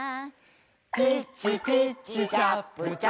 「ピッチピッチチャップチャップ」